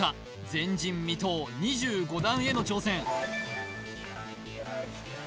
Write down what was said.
前人未到２５段への挑戦